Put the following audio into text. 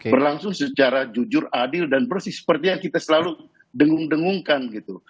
berlangsung secara jujur adil dan persis seperti yang kita selalu dengung dengungkan gitu